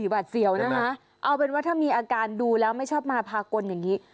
หวัดเสี่ยวนะคะเอาเป็นว่าถ้ามีอาการดูแล้วไม่ชอบมาพากลอย่างนี้